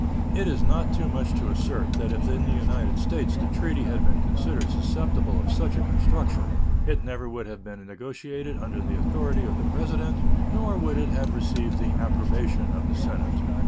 It is not too much to assert that if in the United States the treaty had been considered susceptible of such a construction it never would have been negotiated under the authority of the President, nor would it have received the approbation of the Senate.